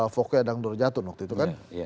fokya dan nurjadun waktu itu kan